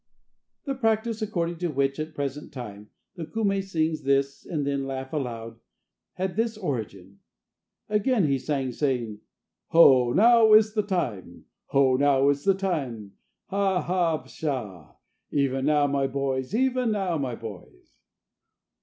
The practice according to which, at the present time, the Kume sing this and then laugh loud, had this origin. Again he sang, saying: "Ho! now is the time! Ho! now is the time! Ha! Ha! Psha! Even now My boys! Even now, My boys!"